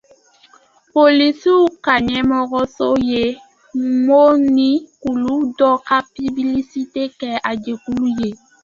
Polisiw ka ɲɛmɔgɔso ye mɔni kulu dɔ ka piblisite kɛ Ajegunle.